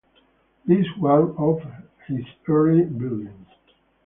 This was one of his early buildings.